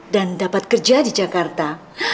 dan dapat kerja di jakarta